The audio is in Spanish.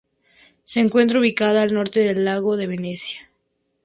Se encuentra ubicada al norte del Lago de Valencia.